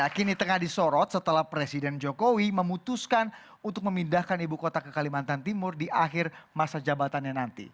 kini tengah disorot setelah presiden jokowi memutuskan untuk memindahkan ibu kota ke kalimantan timur di akhir masa jabatannya nanti